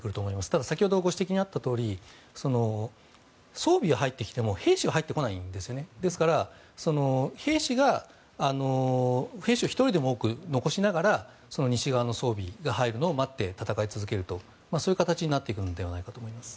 ただ、先ほどご指摘にあったとおり装備は入ってきても兵士は入ってこないので兵士を１人でも多く残しながら西側の装備が入るのを待って、戦い続けるという形になっていくのではないかと思います。